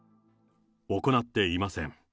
行っていません。